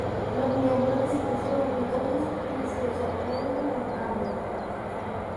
Los miembros visitan sus dormitorios y se sorprenden con los cambios.